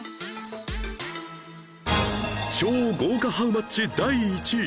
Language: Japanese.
超豪華ハウマッチ第１位